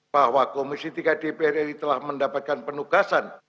bahwa komisi tiga dpr ri telah mendapatkan penugasan